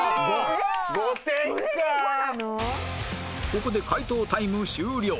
ここで解答タイム終了